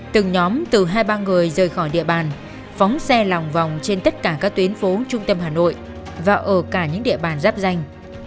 từng nhóm từ hai ba người rời khỏi địa bàn phóng xe lòng vòng trên tất cả các tuyến phố trung tâm hà nội và ở cả những địa bàn giáp danh